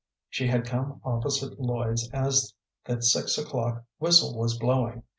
She had come opposite Lloyd's as the six o'clock whistle was blowing.